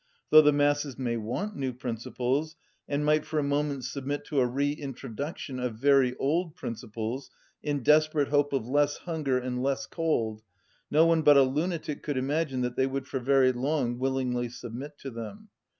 Though the masses may want new principles, and might for a moment submit to a reintroduction of very old principles in desperate hope of less hunger and less cold, no one but a lunatic could imagine that they would for very long willingly submit to them.